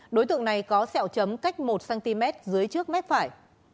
đối tượng này có sẹo chấm cách một cm dưới trước mép phải